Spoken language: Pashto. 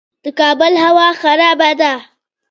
د کابل هوا خرابه ده